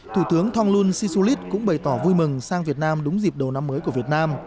thủ tướng thonglun sisulit cũng bày tỏ vui mừng sang việt nam đúng dịp đầu năm mới của việt nam